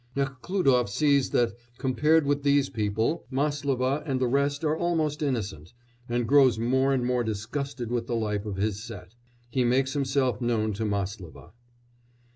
Nekhlúdof sees that, compared with these people, Máslova and the rest are almost innocent, and grows more and more disgusted with the life of his set. He makes himself known to Máslova.